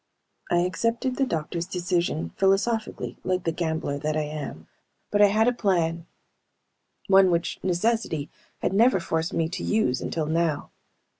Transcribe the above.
I accepted the doctors' decision philosophically, like the gambler that I am. But I had a plan: One which necessity had never forced me to use until now.